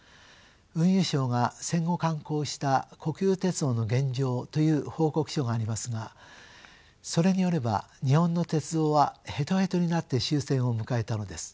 運輸省が戦後刊行した「国有鉄道の現状」という報告書がありますがそれによれば日本の鉄道はヘトヘトになって終戦を迎えたのです。